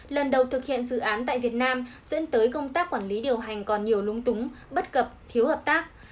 lần đầu thực hiện dự án tại việt nam dẫn tới công tác quản lý điều hành còn nhiều lúng túng bất cập thiếu hợp tác